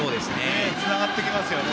つながっていきますよね。